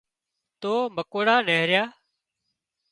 تو مڪوڙا نيهريا